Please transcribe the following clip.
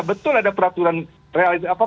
betul ada peraturan